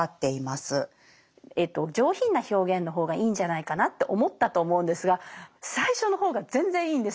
上品な表現の方がいいんじゃないかなって思ったと思うんですが最初の方が全然いいんですよ。